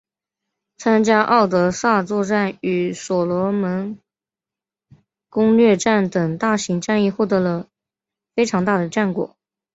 参加敖德萨作战与所罗门攻略战等大型战役获得了非常大的战果。